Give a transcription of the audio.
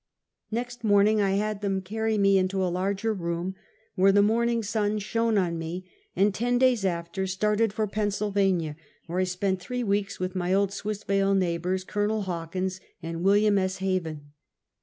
" ISText morning, I had them carry me into a larger room, where the morning sun shone on me, and ten days after, started for Pennsylvania, where I spent three weeks with my old Swissvale neighbors, Col. Hawkins and. Wm. S. Haven.